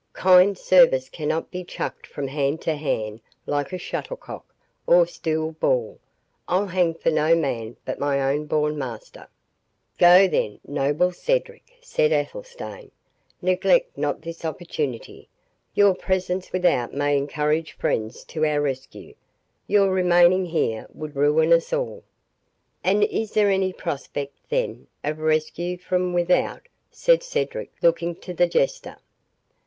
Kind service cannot be chucked from hand to hand like a shuttlecock or stool ball. I'll hang for no man but my own born master." "Go, then, noble Cedric," said Athelstane, "neglect not this opportunity. Your presence without may encourage friends to our rescue—your remaining here would ruin us all." "And is there any prospect, then, of rescue from without?" said Cedric, looking to the Jester.